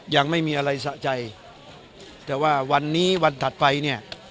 ยังไม่มีอะไรสะใจแต่ว่าวันนี้วันถัดไปเนี่ย